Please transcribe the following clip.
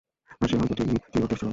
আর সে হয়ত টিভি চুরি করতে আসছিলো।